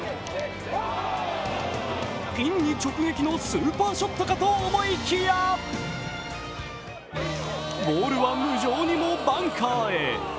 ピンに直撃のスーパーショットかと思いきやボールは無情にもバンカーへ。